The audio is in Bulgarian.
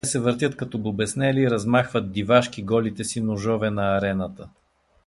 Те се въртят като побеснели и размахват дивашки голите си ножове на арената.